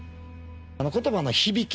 言葉の響き